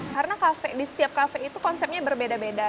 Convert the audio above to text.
karena kafe di setiap kafe itu konsepnya berbeda beda